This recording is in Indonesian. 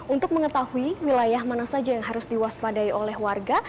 untuk mengetahui wilayah mana saja yang harus diwaspadai oleh warga